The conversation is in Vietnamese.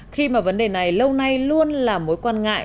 khi mà vấn đề này lâu nay luôn là mối quan ngại